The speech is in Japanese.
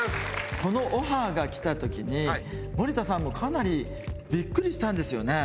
このオファーが来た時に森田さんもかなりビックリしたんですよね